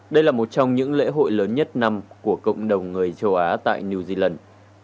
đây là một trong những lễ hội lớn nhất năm của cộng đồng người châu á tại new zealand